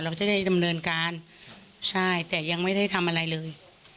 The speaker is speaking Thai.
เราจะได้ดำเนินการใช่แต่ยังไม่ได้ทำอะไรเลย